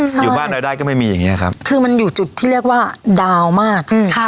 ใช่อยู่บ้านรายได้ก็ไม่มีอย่างเงี้ครับคือมันอยู่จุดที่เรียกว่าดาวมากอืมค่ะ